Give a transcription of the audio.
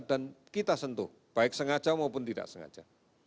dan kita sentuh baik sengaja maupun tidak sengaja